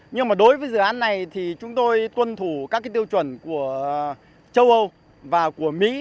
nhưng mà đối với dự án này thì chúng tôi tuân thủ các cái tiêu chuẩn của châu âu và của mỹ